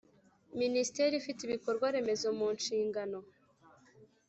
Minisiteri ifite ibikorwa remezo mu nshingan